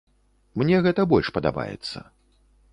Мне гэта больш падабаецца.